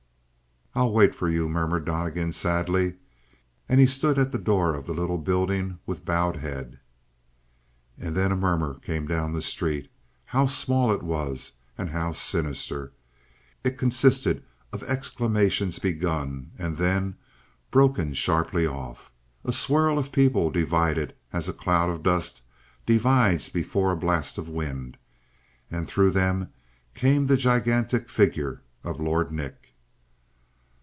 "I'll wait for you," murmured Donnegan sadly, and he stood as the door of the little building with bowed head. And then a murmur came down the street. How small it was, and how sinister! It consisted of exclamations begun, and then broken sharply off. A swirl of people divided as a cloud of dust divides before a blast of wind, and through them came the gigantic figure of Lord Nick!